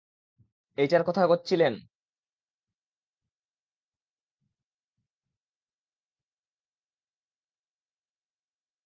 এইটার কথা কচ্ছিলেন?